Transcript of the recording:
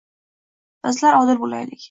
Bizlar odil bo’laylik.